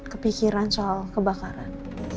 kepikiran soal kebakaran